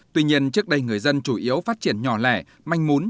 tuy nhiên trước đây người dân chủ yếu phát triển nhỏ lẻ manh mún